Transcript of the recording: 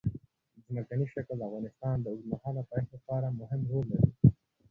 ځمکنی شکل د افغانستان د اوږدمهاله پایښت لپاره مهم رول لري.